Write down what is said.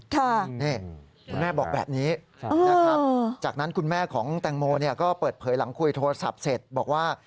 คุณแม่บอกแบบนี้นะครับจากนั้นคุณแม่ของแตงโมเนี่ยก็เปิดเผยหลังคุยโทรศัพท์เสร็จบอกว่า